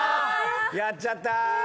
やっちゃった！